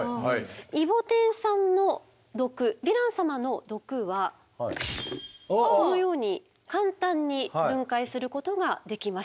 イボテン酸の毒ヴィラン様の毒はこのように簡単に分解することができます。